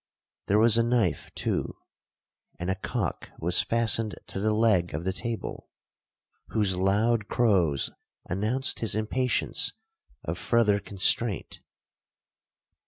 There was a knife too; and a cock was fastened to the leg of the table, whose loud crows announced his impatience of further constraint.